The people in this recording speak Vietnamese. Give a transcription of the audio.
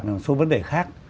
một số vấn đề khác